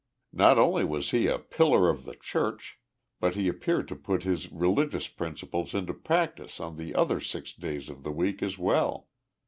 Not only was he a pillar of the church, but he appeared to put his religious principles into practice on the other six days of the week as well.